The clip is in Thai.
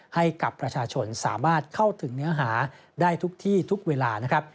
ให้กับประชาชนสามารถเข้าถึงเนื้อหาได้ทุกที่ทุกเวลานะครับ